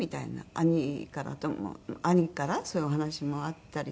兄から兄からそういうお話もあったりとか。